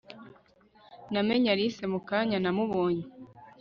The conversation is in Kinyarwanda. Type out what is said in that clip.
namenye alice mukanya namubonye